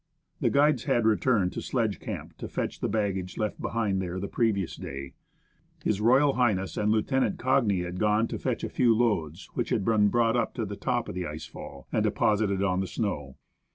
The guides had returned to Sledge Camp to fetch the baggage left behind there the previous day. H.R. H. and Lieutenant Cagni had gone to fetch a few loads which had been brought up to the top of the ice fall, and deposited on the snow.